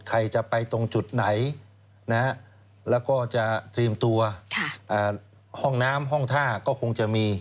ใครจะไปตรงจุดไหนแล้วก็จะเตรียมตัวห้องน้ำห้องท่าก็คงจะมี